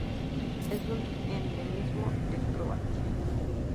Es un endemismo de Croacia.